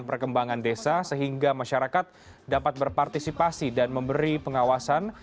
perkembangan desa sehingga masyarakat dapat berpartisipasi dan memberi pengawasan